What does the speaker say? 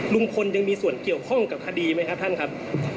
ลุงพลยังมีส่วนเกี่ยวข้องกับคดีไหมครับท่านครับ